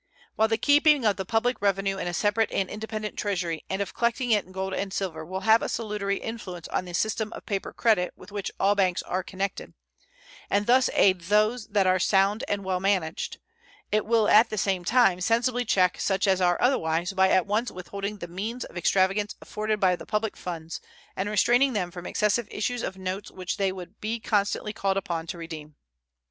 While the keeping of the public revenue in a separate and independent treasury and of collecting it in gold and silver will have a salutary influence on the system of paper credit with which all banks are connected, and thus aid those that are sound and well managed, it will at the same time sensibly check such as are otherwise by at once withholding the means of extravagance afforded by the public funds and restraining them from excessive issues of notes which they would be constantly called upon to redeem.